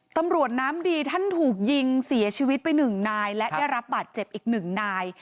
ตำรวจน้ำดีท่านถูกยิงเสียชีวิตไปหนึ่งนายและได้รับบาดเจ็บอีกหนึ่งนาย